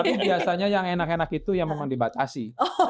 tapi biasanya yang enak enak itu yang mau dibatasi